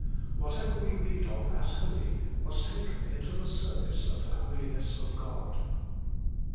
Whatever we read of as holy, was taken into the service of the Holiness of God.